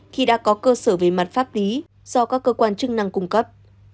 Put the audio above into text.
khi đã có cơ sở về mặt pháp lý do các cơ quan chức năng cung cấp